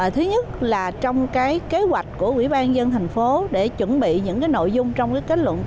thứ nhất là trong kế hoạch của quỹ ban dân thành phố để chuẩn bị những nội dung trong kết luận